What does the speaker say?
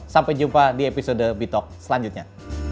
sampai jumpa di episode bitok selanjutnya